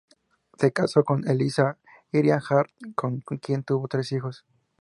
Se casó con Elisa Hiriart, con quien tuvo tres hijos.